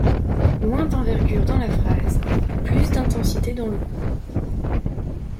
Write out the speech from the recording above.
Moins d’envergure dans la phrase, plus d’intensité dans le coup.